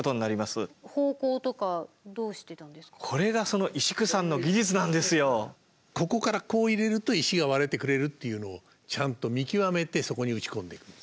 これがそのここからこう入れると石が割れてくれるっていうのをちゃんと見極めてそこに打ち込んでいくんです。